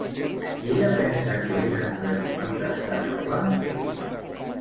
Ella pensa que és entretingut estar sola?